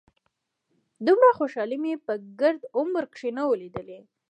دومره خوشالي مې په ګرد عمر کښې نه وه ليدلې.